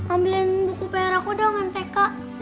ambilin buku pr aku dong mtk